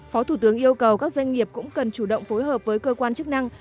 phó thủ tướng yêu cầu các doanh nghiệp cũng cần chủ động phối hợp với cơ quan chức năng